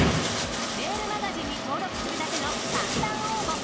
メールマガジンに登録するだけの簡単応募。